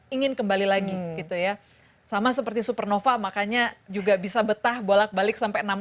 ingin kembali lagi gitu ya sama seperti supernova makanya juga bisa betah bolak balik sampai enam